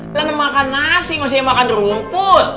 nasi makannya makan rumput